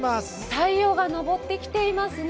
太陽が昇ってきていますね。